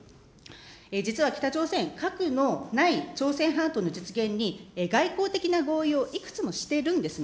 実は北朝鮮、核のない朝鮮半島の実現に外交的な合意をいくつもしてるんですね。